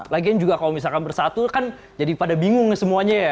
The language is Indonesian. lagian juga kalau misalkan bersatu kan jadi pada bingung semuanya ya